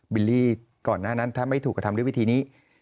วิลลี่ก่อนหน้านั้นถ้าไม่ถูกกระทำด้วยวิธีนี้